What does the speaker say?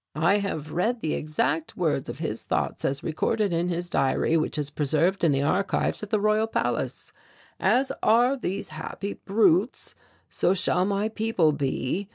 "I have read the exact words of this thoughts as recorded in his diary which is preserved in the archives of the Royal Palace: 'As are these happy brutes, so shall my people be.